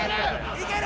いける！